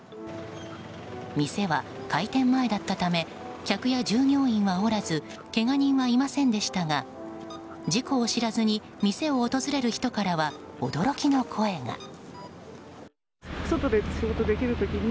店は開店前だったため客や従業員はおらずけが人はいませんでしたが事故を知らずに店を訪れる人からは驚きの声が。